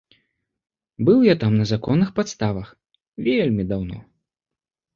Быў я там на законных падставах, вельмі даўно.